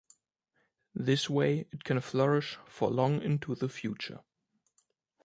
This way it can flourish for long into the future.